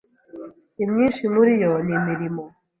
Imyinshi muriyo ni imirimo